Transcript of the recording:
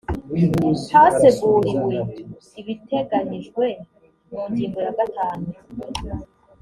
haseguriwe ibiteganyijwe mu ngingo ya gatanu